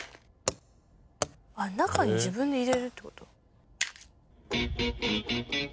あっ中に自分で入れるって事？